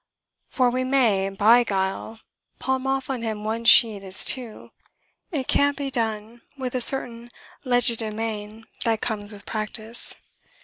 For we may, by guile, palm off on him one sheet as two. It can be done, by means of a certain legerdemain which comes with practice.